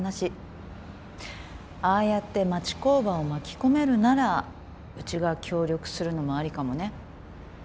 ああやって町工場を巻き込めるならうちが協力するのもありかもね。